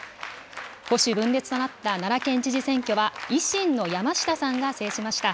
保守分裂となった奈良県知事選挙は、維新の山下さんが制しました。